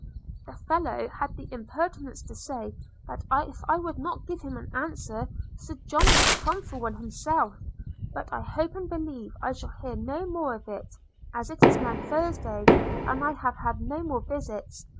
'The fellow had the impertinence to say, that if I would not give him an answer, Sir John would come for one himself; but I hope and believe I shall hear no more of it, as it is now Thursday, and I have had no more visits.